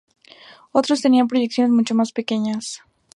Otros tenían proyecciones mucho más pequeñas.